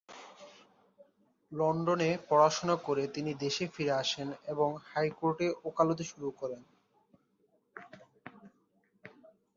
লন্ডনে পড়াশোনা করে তিনি দেশে ফিরে আসেন এবং হাইকোর্টে ওকালতি শুরু করেন।